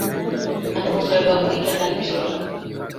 Nakundaga kwicara nijoro.